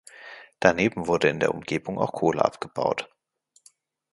Daneben wurde in der Umgebung auch Kohle abgebaut.